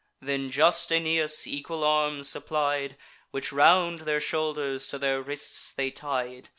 Then just Aeneas equal arms supplied, Which round their shoulders to their wrists they tied.